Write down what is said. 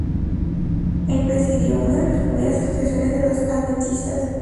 Él presidió una de las primeras asociaciones de los adventistas.